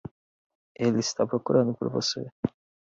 Ele está procurando por você.